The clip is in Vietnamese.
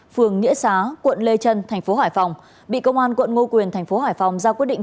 phường nghĩa xá quận lê trân tp hải phòng bị công an quận ngô quyền tp hải phòng ra quyết định